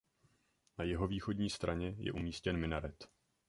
Na jihovýchodní straně je umístěn minaret.